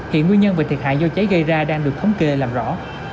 hiện nguyên nhân và thiệt hại do cháy gây ra đang được thống kê làm rõ